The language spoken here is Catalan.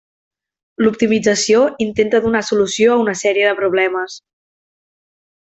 L'optimització intenta donar solució a una sèrie de problemes.